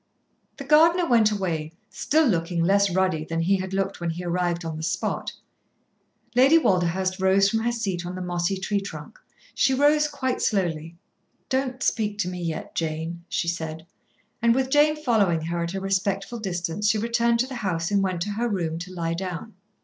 The gardener went away, still looking less ruddy than he had looked when he arrived on the spot. Lady Walderhurst rose from her seat on the mossy tree trunk. She rose quite slowly. "Don't speak to me yet, Jane," she said. And with Jane following her at a respectful distance, she returned to the house and went to her room to lie down.